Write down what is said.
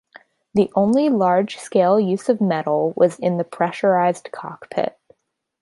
The only large-scale use of metal was in the pressurized cockpit.